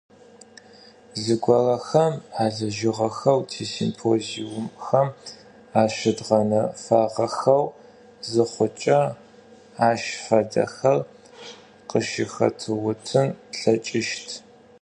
Зыгорэхэм алэжьыгъэхэу, тисимпозиумхэм ащыдгъэнэфагъэхэу зыхъукӏэ, ащ фэдэхэр къыщыхэтыутын тлъэкӏыщт.